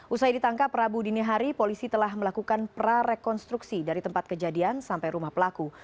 usai ditangkap rabu dinihari polisi telah melakukan pra rekonstruksi dari tempat kejadian sampai rumah pelaku